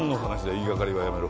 言いがかりはやめろ